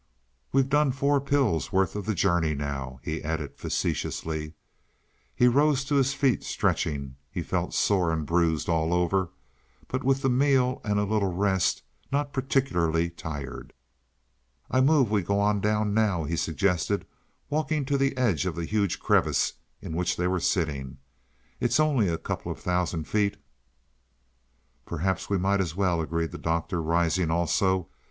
"We've done four pills' worth of the journey anyway," he added facetiously. He rose to his feet, stretching. He felt sore and bruised all over, but with the meal and a little rest, not particularly tired. "I move we go on down now," he suggested, walking to the edge of the huge crevice in which they were sitting. "It's only a couple of thousand feet." "Perhaps we might as well," agreed the Doctor, rising also.